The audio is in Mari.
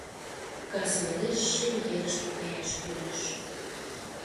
Касвелеш Шем ерышке каяш кӱлеш.